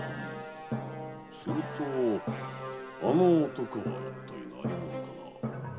するとあの男は一体何者かな。